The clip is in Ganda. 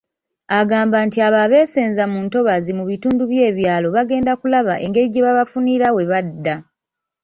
Agamba nti abo abeesenza mu ntobazi mu bitundu by'ebyalo bagenda kulaba engeri gye babafunira we badda.